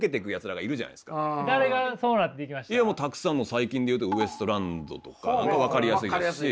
最近で言うとウエストランドとかが分かりやすいですし。